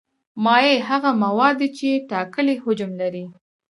مایع هغه مواد دي چې ټاکلی حجم لري.